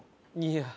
いや！